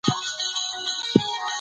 د مالي مدیریت په اړه یې څه ویلي وو؟